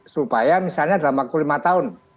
supaya misalnya dalam waktu lima tahun